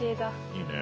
いいね。